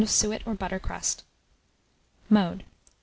of suet or butter crust. Mode.